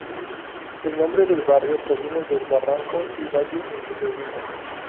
El nombre del barrio proviene del barranco y valle en que se ubica.